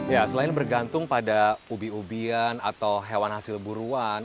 ya selain bergantung pada ubi ubian atau hewan hasil buruan